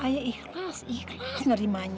ayah ikhlas ikhlas ngerimanya